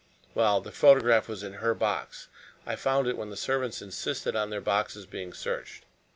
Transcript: "Well, the photograph was in her box. I found it when the servants insisted on their boxes being searched.